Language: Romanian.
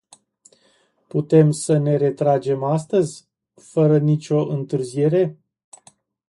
Putem sa ne retragem astăzi, fără nicio întârziere?